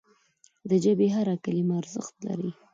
د ژبي هره کلمه ارزښت لري.